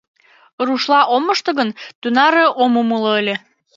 Рушла ом мошто гын, тунаре ом умыло ыле.